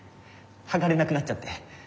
剥がれなくなっちゃって。